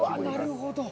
なるほど。